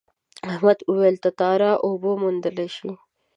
احمد وویل تتارا اوبه موندلی شي.